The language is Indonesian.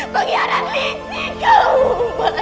pengkhianat lisi kamu mas